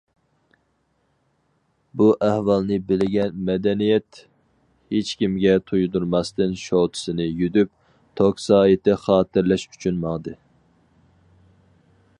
بۇ ئەھۋالنى بىلگەن مەدەنىيەت ھېچكىمگە تۇيدۇرماستىن شوتىسىنى يۈدۈپ، توك سائىتى خاتىرىلەش ئۈچۈن ماڭدى.